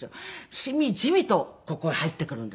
しみじみとここへ入ってくるんです。